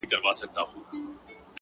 هغه زما زړه ته د کلو راهيسې لار کړې ده;